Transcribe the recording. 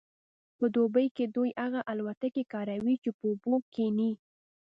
په دوبي کې دوی هغه الوتکې کاروي چې په اوبو کیښني